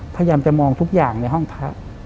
พยายามจะมองทุกอย่างในห้องพระ